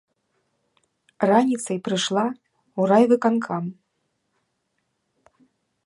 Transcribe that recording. Раніцай прыйшла ў райвыканкам.